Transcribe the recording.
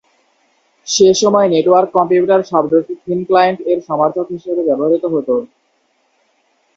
সে সময় 'network computer' শব্দটি 'thin client' এর সমার্থক হিসেবে ব্যবহৃত হতো।